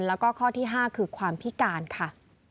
แล้วก็ข้อที่๕คือความพิการค่ะ